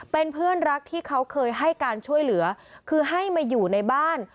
เป็นเพื่อนรักที่เขาเคยให้การช่วยเหลือคือให้มาอยู่ในบ้าน